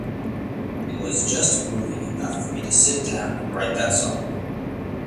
It was just moving enough for me to sit down and write that song.